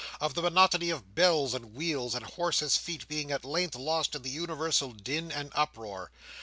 Of the monotony of bells and wheels and horses' feet being at length lost in the universal din and uproar.